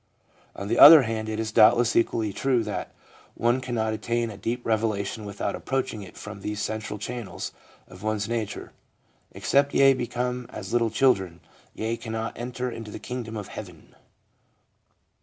On the other hand, it is doubtless equally true that one cannot attain a deep revelation without approaching it from these central channels of one's nature ;' Except ye become as little children, ye cannot enter into the kingdom of heaven.'